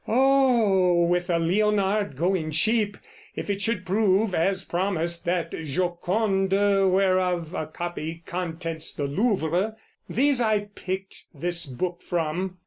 Oh, with a Lionard going cheap If it should prove, as promised, that Joconde Whereof a copy contents the Louvre! these I picked this book from.